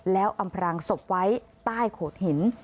แล้วอำพรางศพไว้ใต้โขดหิน